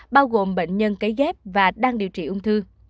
bao gồm bệnh nhân cấy ghép và đang điều trị ung thư